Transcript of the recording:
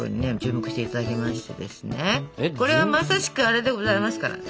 これはまさしくあれでございますからね。